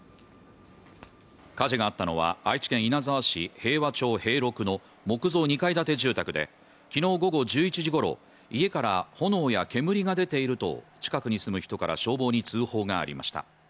火事があったのは愛知県稲沢市平和町平六の木造２階建て住宅で、昨日午後１１時ごろ、家から炎や煙が出ていると近くに住む人から消防に通報がありました。